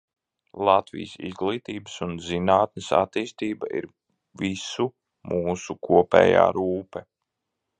Latvijas izglītības un zinātnes attīstība ir visu mūsu kopējā rūpe.